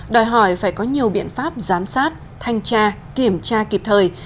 đòi hỏi phải có nhiều biện pháp giám sát thanh tra kiểm tra kịp thời